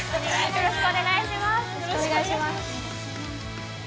よろしくお願いします